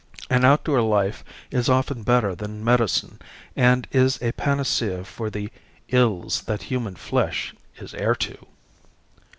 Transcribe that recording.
An outdoor life is often better than medicine and is a panacea for the "ills that human flesh is heir to."